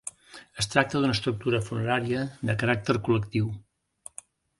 Es tracta d'una estructura funerària de caràcter col·lectiu.